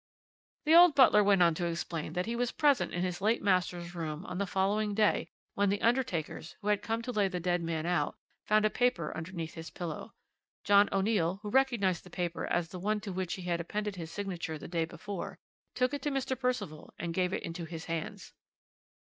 "The old butler went on to explain that he was present in his late master's room on the following day when the undertakers, who had come to lay the dead man out, found a paper underneath his pillow. John O'Neill, who recognized the paper as the one to which he had appended his signature the day before, took it to Mr. Percival, and gave it into his hands.